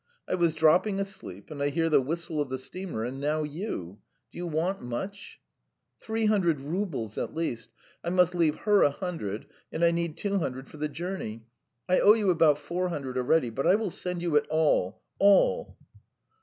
"I was dropping asleep and I hear the whistle of the steamer, and now you ... Do you want much?" "Three hundred roubles at least. I must leave her a hundred, and I need two hundred for the journey. ... I owe you about four hundred already, but I will send it you all ... all.